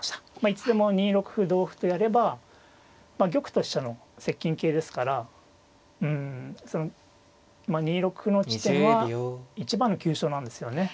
いつでも２六歩同歩とやれば玉と飛車の接近形ですからうんその２六歩の地点は一番の急所なんですよね。